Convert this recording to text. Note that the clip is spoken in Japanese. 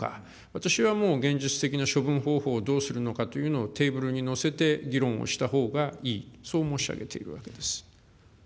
私はもう、現実的な処分方法をどうするのかというのをテーブルに乗せて議論をしたほうがいい、そう申し上げているわけです。